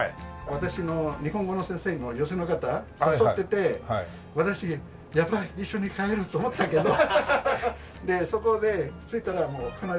私の日本語の先生も女性の方誘ってて私「やばい一緒に入る」と思ったけどでそこで生徒がもう離れた。